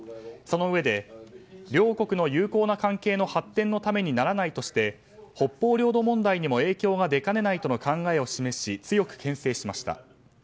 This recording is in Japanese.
そのうえで、両国の友好な関係の発展のためにならないとして北方領土問題にも影響が出かねないとの考えを示し強く牽制しました。